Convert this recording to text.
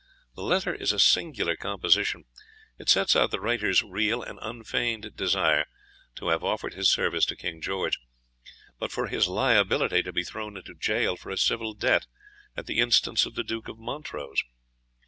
The letter is a singular composition. It sets out the writer's real and unfeigned desire to have offered his service to King George, but for his liability to be thrown into jail for a civil debt, at the instance of the Duke of Montrose.